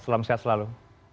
salam sehat selalu